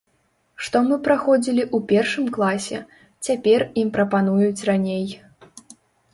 Што мы праходзілі ў першым класе, цяпер ім прапануюць раней.